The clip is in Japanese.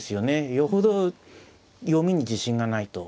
よほど読みに自信がないと。